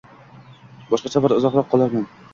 Boshqa safar uzoqroq qolarman.